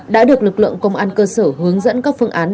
đã được lực lượng công an cơ sở hướng dẫn các phương án